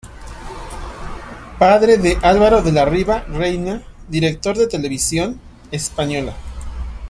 Padre de Álvaro de la Riva Reina, director de Televisión Española.